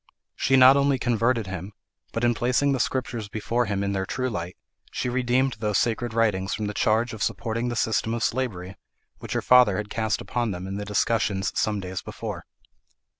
She not only converted him, but in placing the Scriptures before him in their true light, she redeemed those sacred writings from the charge of supporting the system of slavery, which her father had cast upon them in the discussion some days before.